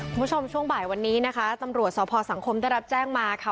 คุณผู้ชมช่วงบ่ายวันนี้นะคะตำรวจสพสังคมได้รับแจ้งมาค่ะ